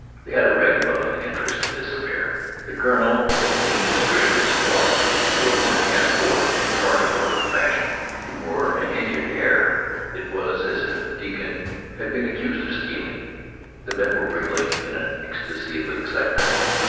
They had a ragamuffin interest in this affair. The colonel was seen to straighten his form and put one hand forth in oratorical fashion. He wore an injured air; it was as if a deacon had been accused of stealing. The men were wiggling in an ecstasy of excitement.